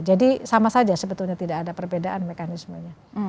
jadi sama saja sebetulnya tidak ada perbedaan mekanismenya